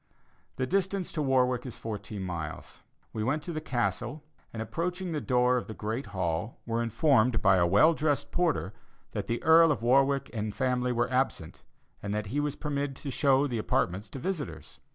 The distance to Warwick is fourteen miles. We went to the Castle, and approaching the door of the Great Hall, were informed by a well dressed porter that the Earl of Warwick and family were absent, and that he was permitted to show the apartments to visitors.